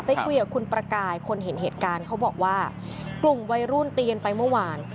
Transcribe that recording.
ไปคุยกับคุณประกายคนเห็นเหตุการณ์เขาบอกว่ากลุ่มวัยรุ่นเตียนไปเมื่อวาน